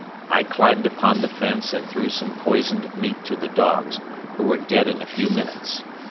I climbed upon the fence and threw some poisoned meat to the dogs, who were dead in a few minutes.